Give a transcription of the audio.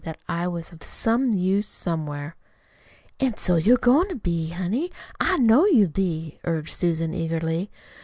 that I was of some use somewhere." "An' so you're goin' to be, honey. I know you be," urged Susan eagerly.